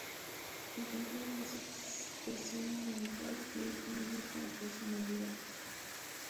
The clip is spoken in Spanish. La pintura es una expresión individual y hay tendencias como personalidades.